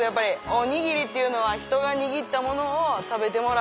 おにぎりっていうのは人が握ったものを食べてもらって。